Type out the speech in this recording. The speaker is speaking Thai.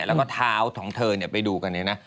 แล้วก็เท้าของเธอไปดูกันเนี่ยนะ